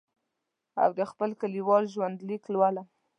او د خپل لیکوال ژوند لیک لولم.